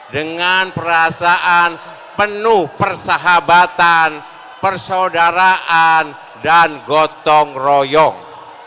dengan perasaan penuh persahabatan persaudaraan dan gotong royong